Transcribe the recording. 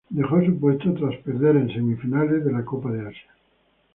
Dejó su puesto tras perder contra en semifinales de la Copa de Asia.